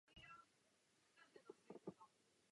Habilitoval se prací "Filosofie živé přírody".